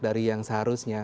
dari yang seharusnya